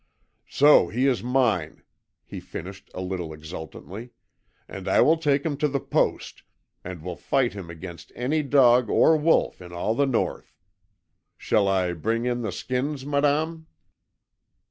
"So he is mine," he finished a little exultantly, "and I will take him to the Post, and will fight him against any dog or wolf in all the North. Shall I bring in the skins, MADAME?"